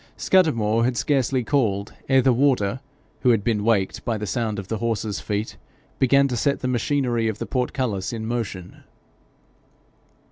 Scudamore had scarcely called, ere the warder, who had been waked by the sound of the horse's feet, began to set the machinery of the portcullis in motion.